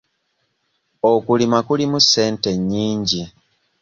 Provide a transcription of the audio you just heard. Okulima kulimu ssente nnyingi.